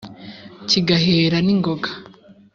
kigahera n'ingoga,